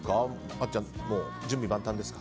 あっちゃん準備万端ですか？